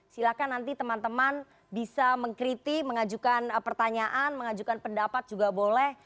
silahkan nanti teman teman bisa mengkritik mengajukan pertanyaan mengajukan pendapat juga boleh